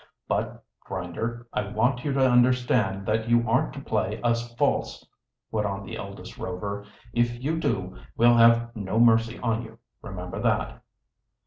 But, Grinder, I want you to understand that you aren't to play us false," went on the eldest Rover. "If you do we'll have no mercy on you, remember that!"